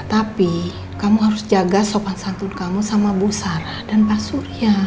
tapi kamu harus jaga sopan santut kamu sama bu sarah dan pak surya